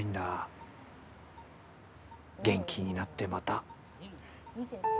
元気になってまた。